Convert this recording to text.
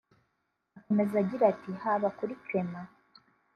Akomeza gira ati “ Haba kuri Clement